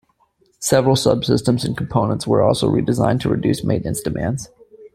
Several subsystems and components were also redesigned to reduce maintenance demands.